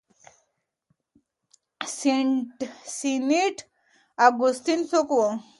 سینټ اګوستین څوک و؟